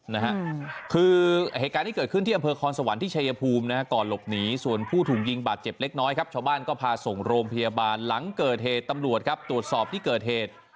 นะฮะคือเหตุการณ์ที่เกิดขึ้นที่อำเภอคอนสวรรค์ที่ชายภูมินะฮะก่อนหลบหนีส่วนผู้ถูกยิงบาดเจ็บเล็กน้อยครับชาวบ้านก็พาส่งโรงพยาบาลหลังเกิดเหตุตำรวจครับตรวจสอบที่เกิดเหตุ